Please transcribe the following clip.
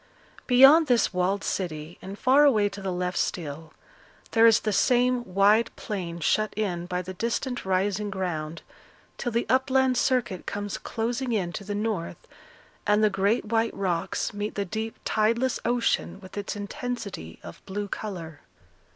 Beyond this walled city, and far away to the left still, there is the same wide plain shut in by the distant rising ground, till the upland circuit comes closing in to the north, and the great white rocks meet the deep tideless ocean with its intensity of blue colour.